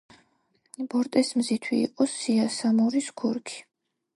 ბორტეს მზითვი იყო სიასამურის ქურქი.